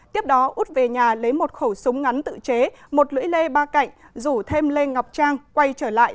tiếp đó út về nhà lấy một khẩu súng ngắn tự chế một lưỡi lê ba cạnh rủ thêm lê ngọc trang quay trở lại